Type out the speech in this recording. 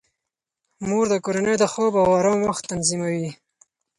مور د کورنۍ د خوب او آرام وخت تنظیموي.